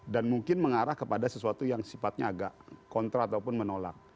dan mungkin mengarah kepada sesuatu yang sifatnya agak kontra ataupun menolak